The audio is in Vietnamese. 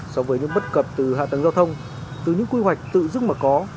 so với những bất cập từ hạ tầng giao thông từ những quy hoạch tự dứt mà có